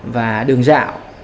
và đường dạo